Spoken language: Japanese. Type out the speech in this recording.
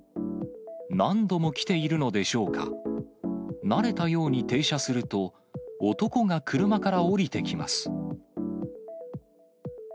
何度も来ているのでしょうか、慣れたように停車すると、男が車から降りてきます。